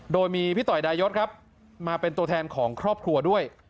โดยมีพี่ต่อยดายศครับมาเป็นตัวแทนของครอบครัวด้วย